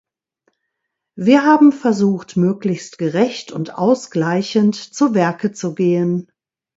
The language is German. Wir haben versucht, möglichst gerecht und ausgleichend zu Werke zu gehen.